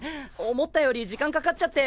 思ったより時間かかっちゃって。